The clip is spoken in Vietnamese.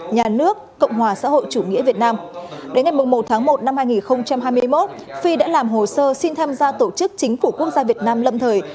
nhà nước cộng hòa xã hội chủ nghĩa việt nam đến ngày một tháng một năm hai nghìn hai mươi một phi đã làm hồ sơ xin tham gia tổ chức chính phủ quốc gia việt nam lâm thời